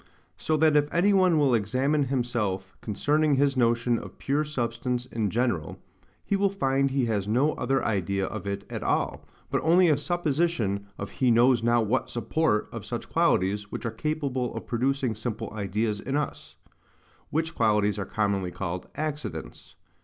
So that if any one will examine himself concerning his notion of pure substance in general, he will find he has no other idea of it at all, but only a supposition of he knows not what SUPPORT of such qualities which are capable of producing simple ideas in us; which qualities are commonly called accidents.